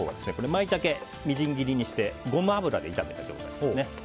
マイタケをみじん切りにしてゴマ油で炒めた状態ですね。